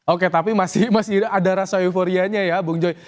oke tapi masih ada rasa euforianya ya bung joy